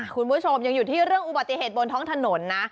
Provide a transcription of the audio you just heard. คุณผู้ชมยังอยู่ที่เรื่องอุบัติเหตุบนท้องถนนนะ